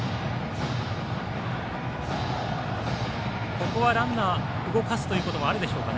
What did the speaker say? ここはランナー動かすということもあるでしょうか。